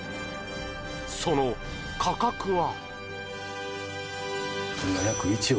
その価格は。